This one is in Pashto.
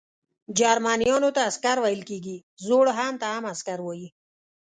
جرمنیانو ته عسکر ویل کیږي، زوړ هن ته هم عسکر وايي.